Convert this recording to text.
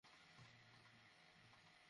তুমি already room বদলে দিয়েছ।